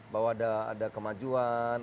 bahwa ada kemajuan